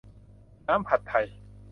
น้ำผัดไทย